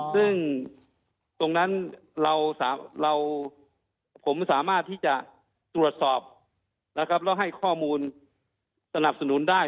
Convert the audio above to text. ซึ่งตรงนั้นผมสามารถที่จะตรวจสอบนะครับแล้วให้ข้อมูลสนับสนุนได้